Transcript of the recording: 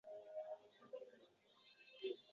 Shu sababdan kamroq tayyorlansam ham boʻladi.